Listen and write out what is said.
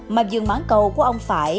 mạp dường mãn cầu của ông phải